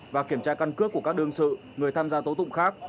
và kiểm tra căn cước của các đương sự người tham gia tố tụng khác